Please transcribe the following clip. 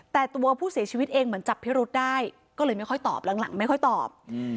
แต่ตัวผู้เสียชีวิตเองเหมือนจับพิรุษได้ก็เลยไม่ค่อยตอบหลังไม่ค่อยตอบ